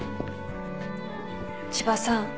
千葉さん。